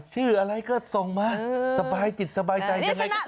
ชื่ออะไรก็ส่งมาสบายสิบสบายใจ